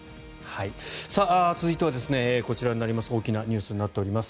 続いては、こちらになります。